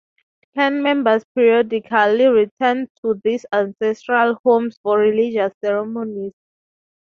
Clan members periodically return to these ancestral homes for religious ceremonies.